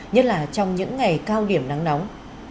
nhất là trong những ngày cao điểm nắng nóng